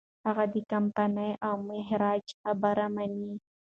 هغه د کمپانۍ او مهاراجا خبره مني.